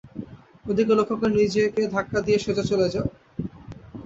ওদিক লক্ষ্য করে নিজেকে ধাক্কা দিয়ে সোজা চলে যাও।